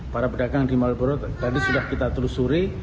para pedagang di malioboro tadi sudah kita telusuri